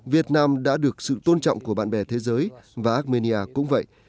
việt nam đã được sự tôn trọng của bạn bè thế giới và armenia cũng vậy